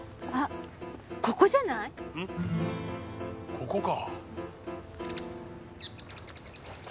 ここか。